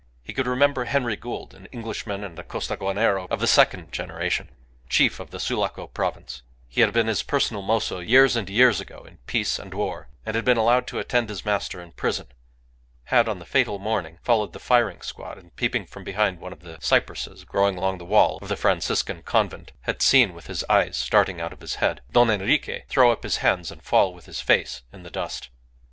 He could remember Henry Gould, an Englishman and a Costaguanero of the second generation, chief of the Sulaco province; he had been his personal mozo years and years ago in peace and war; had been allowed to attend his master in prison; had, on the fatal morning, followed the firing squad; and, peeping from behind one of the cypresses growing along the wall of the Franciscan Convent, had seen, with his eyes starting out of his head, Don Enrique throw up his hands and fall with his face in the dust.